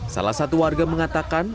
salah satu warga mengatakan